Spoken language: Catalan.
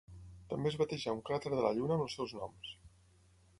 També es batejà un cràter de la Lluna amb els seus noms.